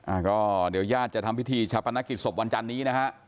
อ่าก็เดี๋ยวย่าจะทำพิธีชะปันนะกิจสมวันจันนี้นะฮะ